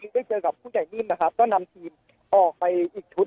ได้เจอกับผู้ใหญ่นิ่มนะครับก็นำทีมออกไปอีกชุด